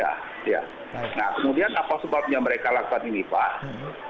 nah kemudian apa sebabnya mereka lakukan ini pak